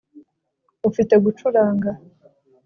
ufite gucuranga